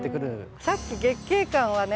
さっき月桂冠はね